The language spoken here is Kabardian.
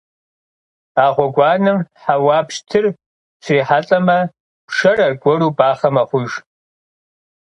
А гъуэгуанэм хьэуа пщтыр щрихьэлӀэмэ, пшэр аргуэру бахъэ мэхъуж.